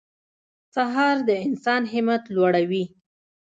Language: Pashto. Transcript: سهار د انسان همت لوړوي.